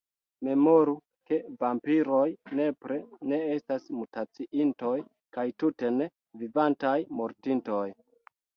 Memoru, ke vampiroj nepre ne estas mutaciintoj, kaj, tute ne, vivantaj mortintoj.